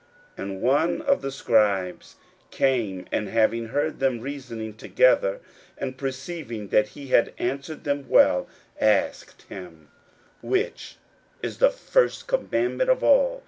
41:012:028 And one of the scribes came, and having heard them reasoning together, and perceiving that he had answered them well, asked him, Which is the first commandment of all?